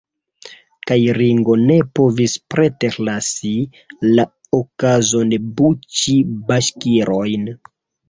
Kaj Ringo ne povis preterlasi la okazon buĉi baŝkirojn.